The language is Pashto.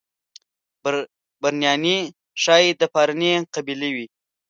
پرنیاني ښایي د پارني قبیله وي.